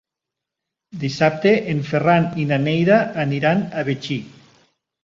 Dissabte en Ferran i na Neida aniran a Betxí.